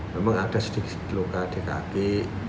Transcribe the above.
memang ada sedikit luka di kaki